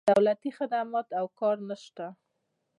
دولتي خدمات او کار نه شته.